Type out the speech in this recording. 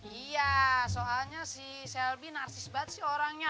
iya soalnya si selbi narsis banget sih orangnya